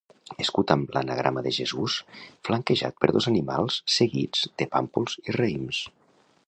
Escut amb l’anagrama de Jesús flanquejat per dos animals seguits de pàmpols i raïms.